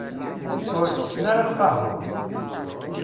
Ur tessen ara lqahwa.